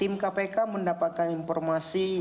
tim kpk mendapatkan informasi